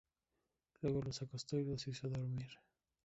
Luego los acostó y los hizo dormir.